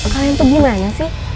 kalian tuh gimana sih